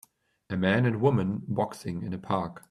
A man and woman boxing in a park.